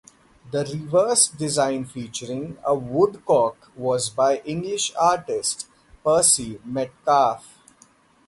The reverse design featuring a woodcock was by English artist Percy Metcalfe.